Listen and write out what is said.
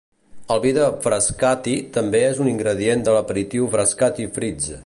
El vi de Frascati també és un ingredient de l'aperitiu Frascati Frizz.